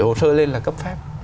gửi hồ sơ lên là cấp phép